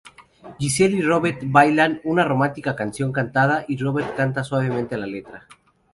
Giselle y Robert bailan una romántica canción cantada, y Robert canta suavemente la letra.